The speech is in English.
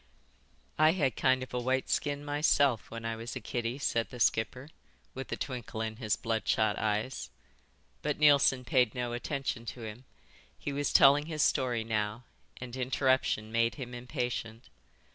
"I had kind of a white skin myself when I was a kiddie," said the skipper, with a twinkle in his bloodshot eyes. But Neilson paid no attention to him. He was telling his story now and interruption made him impatient.